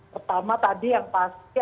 pertama tadi yang pasti